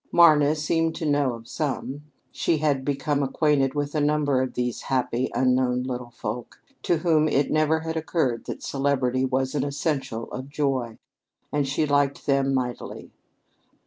Marna seemed to know of some. She had become acquainted with a number of these happy unknown little folk, to whom it never had occurred that celebrity was an essential of joy, and she liked them mightily.